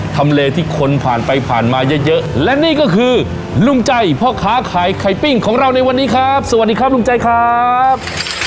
ทำเลที่คนผ่านไปผ่านมาเยอะและนี่ก็คือลุงใจพ่อค้าขายไข่ปิ้งของเราในวันนี้ครับสวัสดีครับลุงใจครับ